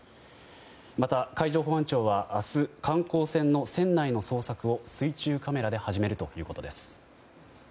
また、海上保安庁は明日、観光船の船内の捜索を水中カメラで始めるということです。